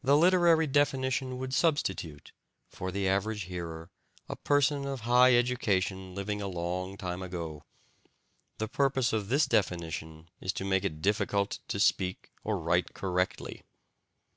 The literary definition would substitute, for the average hearer, a person of high education living a long time ago; the purpose of this definition is to make it difficult to speak or write correctly.